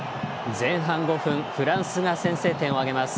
前半５分フランスが先制点を挙げます。